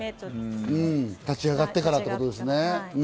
立ち上がってからということですよね。